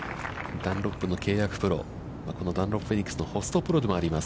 ダンロップの契約プロ、このダンロップフェニックスのホストプロでもあります